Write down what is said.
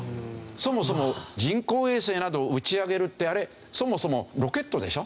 そもそも人工衛星などを打ち上げるってあれそもそもロケットでしょ？